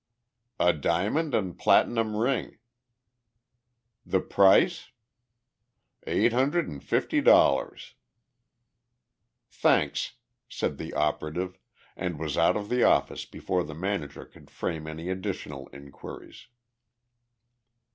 "A diamond and platinum ring." "The price?" "Eight hundred and fifty dollars." "Thanks," said the operative and was out of the office before the manager could frame any additional inquiries.